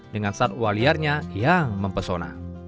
dengan saat waliarnya yang mempesona